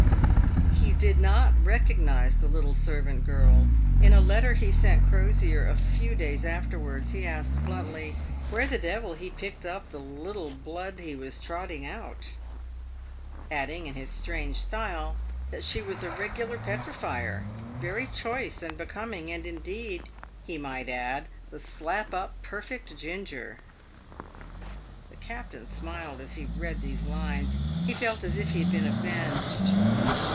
He did not recognise the little servant girl. In a letter he sent Crosier a few days afterwards, he asked him bluntly " where the devil he picked up the little blood he was trotting out ?" adding, in his strange style, that she was " a regular petrifier, very choice and becoming, and, indeed, he might add, the slap up perfect ginger." The captain smiled as he read these lines. He felt as if he had been avenged.